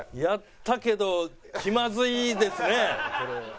やったけど気まずいですね。